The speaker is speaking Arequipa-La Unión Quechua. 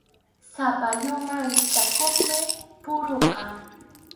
Sapalluman rikchʼakuqmi puruqa.